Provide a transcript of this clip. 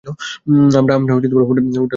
আমরা হোটেল পোর্টল্যান্ডে যাচ্ছি।